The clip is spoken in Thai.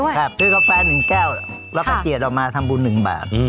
ใช่กาแฟ๑แก้วแล้วกระเกลียดทำบุญ๑บาท